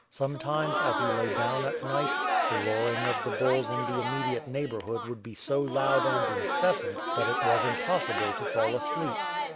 Sometimes, as he lay down at night, the roaring of the bulls in the immediate neighbourhood would be so loud and incessant that it was impossible to fall asleep.